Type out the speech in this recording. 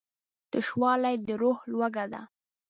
تشوالی د روح لوږه ده.